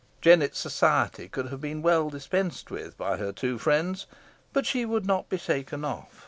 Jennet's society could have been very well dispensed with by her two friends, but she would not be shaken off.